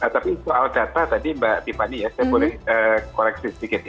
tapi soal data tadi mbak tiffany ya saya boleh koreksi sedikit ya